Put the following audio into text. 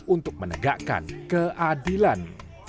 untuk menegakkan keadilan